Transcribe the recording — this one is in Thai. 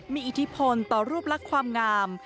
มีอิทธิพลต่อรูปลักษณ์ความงาม